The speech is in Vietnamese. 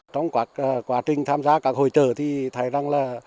trong quá trình tham gia các hội trợ thì thấy rằng là